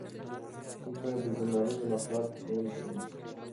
موږ باید د ژورنالیزم اخلاق په پام کې ونیسو.